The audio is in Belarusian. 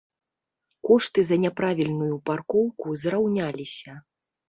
Кошты за няправільную паркоўку зраўняліся.